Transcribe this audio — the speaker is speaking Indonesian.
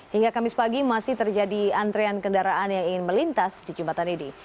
hingga kamis pagi masih terjadi antrean kendaraan yang ingin melintas di jembatan ini